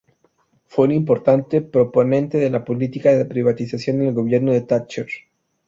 Fue un importante proponente de la política de privatización del gobierno de Thatcher.